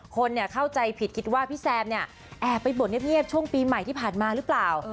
คนเข้าใจผิดคิดว่าพี่แซมเนี่ยแอบไปบวชเงียบช่วงปีใหม่ที่ผ่านมาหรือเปล่า